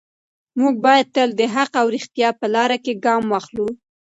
موږ باید تل د حق او ریښتیا په لاره کې ګام واخلو.